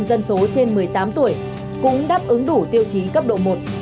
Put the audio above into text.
dân số trên một mươi tám tuổi cũng đáp ứng đủ tiêu chí cấp độ một